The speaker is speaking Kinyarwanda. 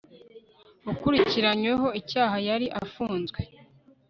ukurikiranyweho icyaha yari afunzwe